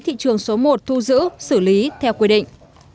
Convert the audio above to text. thị trường số một thu giữ xử lý theo quy định